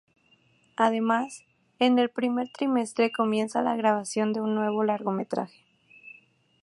Además, en el primer trimestre comienza la grabación de un nuevo largometraje.